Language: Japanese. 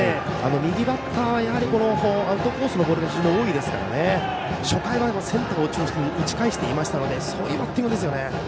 右バッターは、やはりアウトコースのボールが非常に多いですから初回はセンターを中心に打ち返していましたのでそういうバッティングですよね。